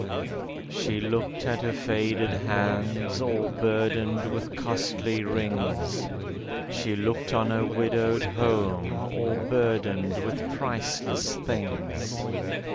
She looked at her faded hands, all burdened with costly rings; She looked on her widowed home, all burdened with priceless things.